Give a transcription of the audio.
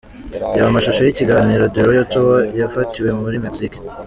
Reba amashusho y’ikiganiro ’The Royal Tour’ cyafatiwe muri Mexique